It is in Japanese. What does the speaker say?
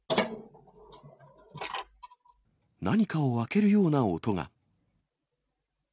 何かを開けるような音が。